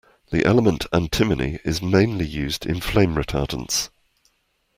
The element antimony is mainly used in flame retardants.